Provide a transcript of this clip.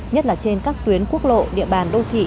nhất là trên các tuyến quốc lộ địa bàn đô thị